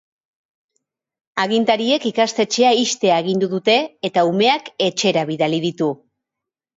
Agintariek ikastetxea ixtea agindu dute eta umeak etxera bidali ditu.